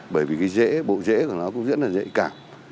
bởi vì cái dễ bộ dễ của nó cũng rất là dễ cảm